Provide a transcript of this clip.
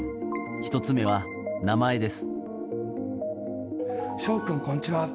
１つ目は、名前です。